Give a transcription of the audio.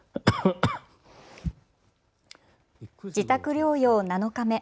自宅療養７日目。